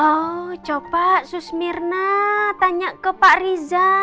oh coba susmirna tanya ke pak riza